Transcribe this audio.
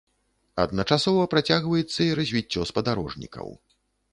Адначасова працягваецца і развіццё спадарожнікаў.